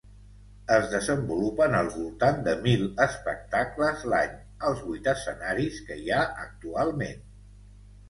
Es desenvolupen al voltant de mil espectacles l'any als vuit escenaris que hi ha actualment.